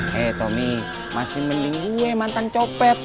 hei tommy masih mending gue mantan copet